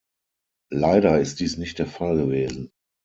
Leider ist dies nicht der Fall gewesen.